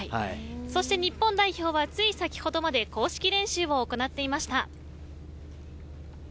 そして日本代表はつい先ほどまで公式練習を行っていました。